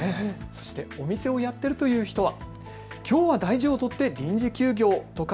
そしてお店をやっているという人は。